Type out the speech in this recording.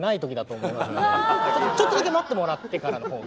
ちょっとだけ待ってもらってからの方が。